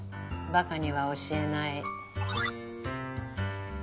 バカには教えない。